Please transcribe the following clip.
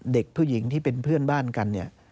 เด็กผู้หญิงที่เป็นเพื่อนบ้านกันเนี่ย